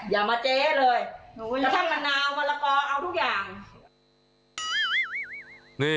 อย่ามาเจ๊เลยกระทั่งมะนาวมะละกอเอาทุกอย่าง